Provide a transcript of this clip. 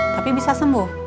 tapi bisa sembuh